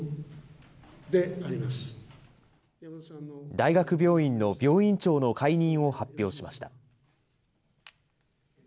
大学病院の病院長の解任を発表しました。